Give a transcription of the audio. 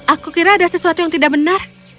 aku kira ada sesuatu yang tidak benar